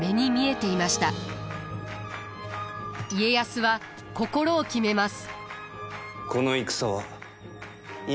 家康は心を決めます。